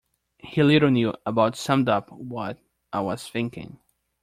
He little knew, about summed up what I was thinking.